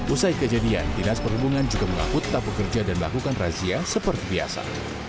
usai kejadian dinas perhubungan juga mengaku tetap bekerja dan melakukan razia seperti biasa